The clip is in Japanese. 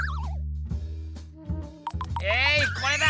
えいこれだ！